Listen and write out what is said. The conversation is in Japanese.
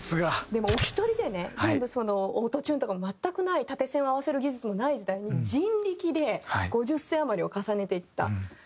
でもお一人でね全部そのオートチューンとかも全くない縦線を合わせる技術もない時代に人力で５０声余りを重ねていった。